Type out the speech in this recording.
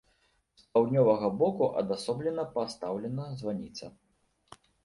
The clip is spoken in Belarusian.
З паўднёвага боку адасоблена пастаўлена званіца.